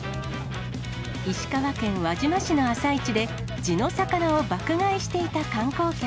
石川県輪島市の朝市で地の魚を爆買いしていた観光客。